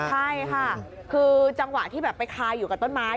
ใช่ค่ะคือจังหวะที่แบบไปคาอยู่กับต้นไม้